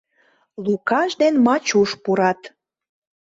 Лукаш ден Мачуш пурат.